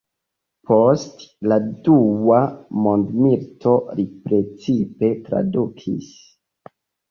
Post la dua mondmilito li precipe tradukis.